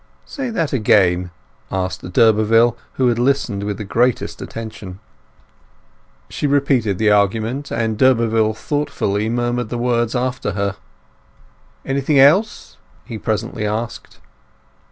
"Say that again," asked d'Urberville, who had listened with the greatest attention. She repeated the argument, and d'Urberville thoughtfully murmured the words after her. "Anything else?" he presently asked.